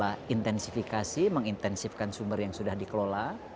yang kedua adalah ekstensifikasi mengintensifkan sumber yang sudah dikelola